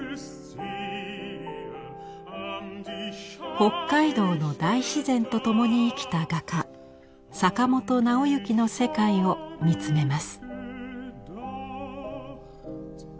北海道の大自然と共に生きた画家坂本直行の世界を見つめます。